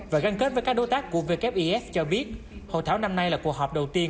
và gắn kết với các đối tác của wif cho biết hội thảo năm nay là cuộc họp đầu tiên